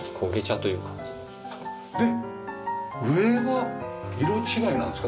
で上は色違いなんですか？